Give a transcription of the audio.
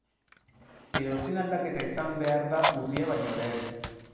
Edozein aldaketa izan behar da urria baino lehen.